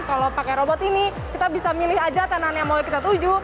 kalau pakai robot ini kita bisa milih aja tenan yang mau kita tuju